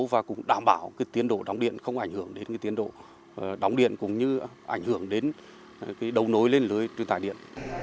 và cũng đảm bảo tiến độ đóng điện không ảnh hưởng đến tiến độ đóng điện cũng như ảnh hưởng đến đầu nối lên lưới truyền tải điện